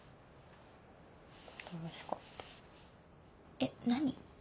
えっ何？